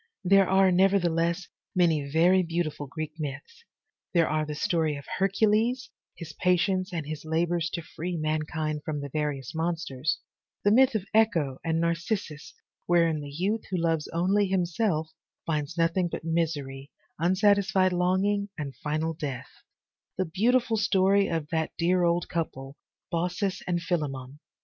There are, nevertheless, many very beautiful Greek myths. There are the story of Hercules, his patience and his labors to free man kind from the various monsters, the myth of Echo and Narcissus, wherein the youth who loves only himself finds nothing but misery, unsatisfied longing and final death, the beautiful story of that dear old couple, Baucis and Philemon.